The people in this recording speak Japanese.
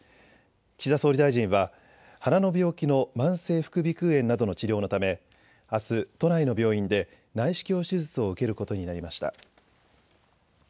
岸田総理大臣は鼻の病気の慢性副鼻くう炎などの治療のためあす都内の病院で内視鏡手術を受けることになりました。